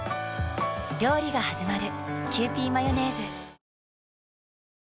料理がはじまる。